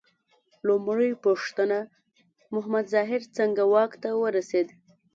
لومړۍ پوښتنه: محمد ظاهر څنګه واک ته ورسېد؟